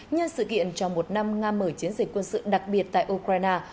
nhân sự kiện cho một năm nga mở chiến dịch quân sự đặc biệt tại ukraine